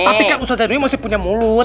tapi kan ustadz zahnuyuh masih punya mulut